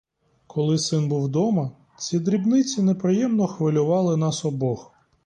Коли син був дома, ці дрібниці неприємно хвилювали нас обох.